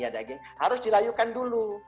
daging harus dilayukan dulu